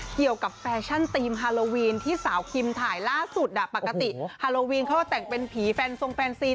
แฟชั่นทีมฮาโลวีนที่สาวคิมถ่ายล่าสุดปกติฮาโลวีนเขาก็แต่งเป็นผีแฟนทรงแฟนซี